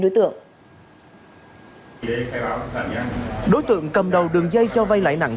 đối tượng cầm đầu đường dây cho vay lãi nặng thứ ba